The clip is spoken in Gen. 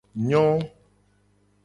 Nyo.